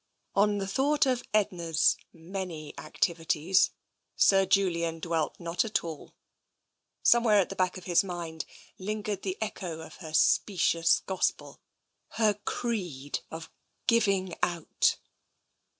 On the thought of Edna's many activities Sir Julian dwelt not at all. Somewhere at the back of his mind lingered the echo of her specious gospel, her creed of " giving out."